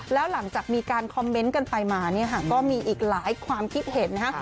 แล้วหลังจากมีการคอมเมนต์กันไปมาก็มีอีกหลายความคิดเห็น